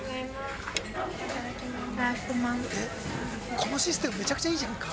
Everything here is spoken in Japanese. このシステムめちゃくちゃいいじゃんか。